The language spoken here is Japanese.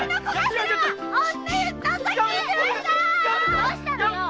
どうしたの？